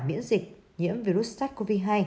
miễn dịch nhiễm virus sars cov hai